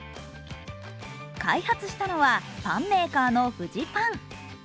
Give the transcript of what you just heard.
開発したのはパンメーカ−のフジパン。